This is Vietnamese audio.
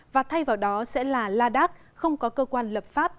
và thay vào đó sẽ là ladak không có cơ quan lập pháp